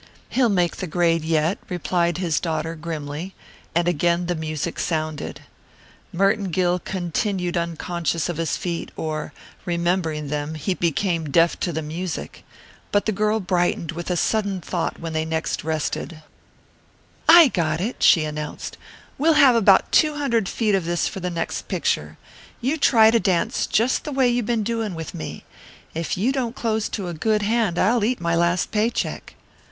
"He'll make the grade yet," replied his daughter grimly, and again the music sounded. Merton Gill continued unconscious of his feet, or, remembering them, he became deaf to the music. But the girl brightened with a sudden thought when next they rested. "I got it!" she announced. "We'll have about two hundred feet of this for the next picture you trying to dance just the way you been doing with me. If you don't close to a good hand I'll eat my last pay check."